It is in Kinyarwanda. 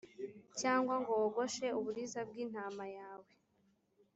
cyangwa ngo wogoshe uburiza bw’intama yawe.